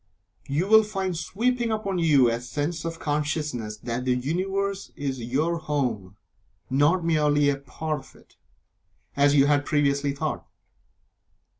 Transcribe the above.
You will find sweeping upon you a sense of consciousness that the Universe is your home not merely a part of it, as you had previously thought.